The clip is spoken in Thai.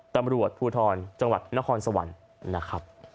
ตำรวจภูทรจังหวัดนครสวรรค์